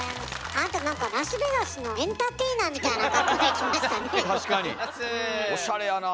あなたなんかラスベガスのエンターテイナーみたいな格好で来ましたね。